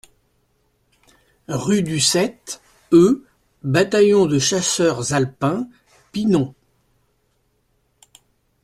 Rue du sept e Bataillon de Chasseurs Alpins, Pinon